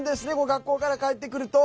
学校から帰ってくると。